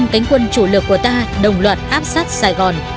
năm cánh quân chủ lực của ta đồng loạt áp sát sài gòn